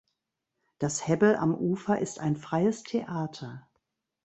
Das Hebbel am Ufer ist ein freies Theater.